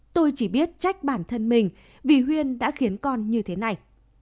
tôi chỉ biết trách bản thân mình vì huyên đã khiến con như thế này